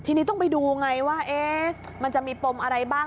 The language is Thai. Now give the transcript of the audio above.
ทีนี้ต้องไปดูไงว่ามันจะมีปมอะไรบ้าง